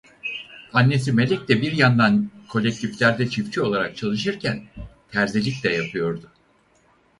Annesi Melek de bir yandan kolektiflerde çiftçi olarak çalışırken terzilik de yapıyordu.